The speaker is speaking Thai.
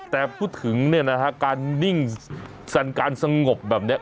แต่พูดถึงเนี่ยนะฮะการนิ่งสั่นการสงบแบบนี้